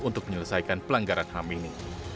untuk menyelesaikan pelanggaran ham ini